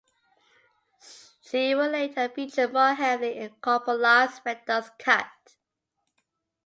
She would later feature more heavily in Coppola's "Redux" cut.